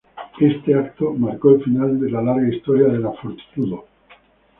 Este evento marcó el final de la larga historia de la Fortitudo.